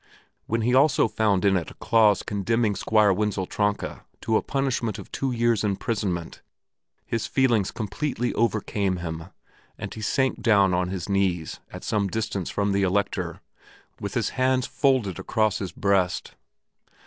When he also found in it a clause condemning Squire Wenzel Tronka to a punishment of two years' imprisonment, his feelings completely overcame him and he sank down on his knees at some distance from the Elector, with his hands folded across his breast.